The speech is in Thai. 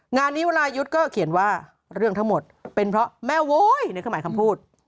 งานนี้วรายุทธ์ก็เขียนว่าเรื่องทั้งหมดเป็นเพราะแม่โว้ยนี่คือหมายคำพูด